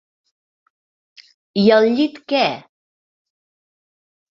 I al llit què?